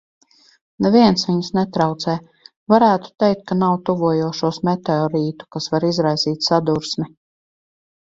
Neviens viņus netraucē, varētu teikt, ka nav tuvojošos meteorītu, kas var izraisīt sadursmi.